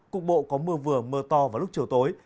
cục bộ có mưa vừa mưa to vào lúc chiều tối